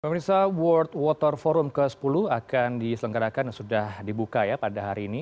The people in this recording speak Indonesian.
pemirsa world water forum ke sepuluh akan diselenggarakan dan sudah dibuka ya pada hari ini